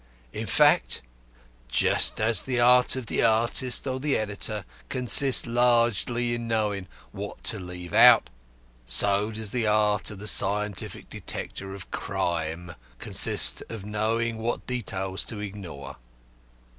In fact, just as the art of the artist or the editor consists largely in knowing what to leave out, so does the art of the scientific detector of crime consist in knowing what details to ignore.